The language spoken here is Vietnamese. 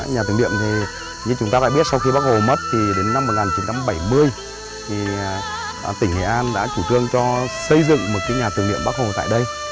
nhà tưởng niệm thì như chúng ta đã biết sau khi bắc hồ mất thì đến năm một nghìn chín trăm bảy mươi thì tỉnh hề an đã chủ trương cho xây dựng một nhà tưởng niệm bắc hồ tại đây